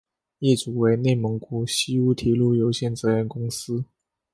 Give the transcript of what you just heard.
业主为内蒙古锡乌铁路有限责任公司。